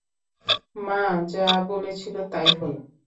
মা যা বলেছিলো তাই হলো।